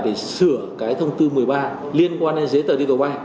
để sửa cái thông tư một mươi ba liên quan đến giấy tờ điện tử ba